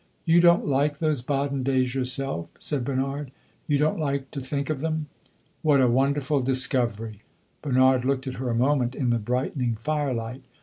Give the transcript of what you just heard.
"You don't like those Baden days yourself," said Bernard. "You don't like to think of them." "What a wonderful discovery!" Bernard looked at her a moment in the brightening fire light.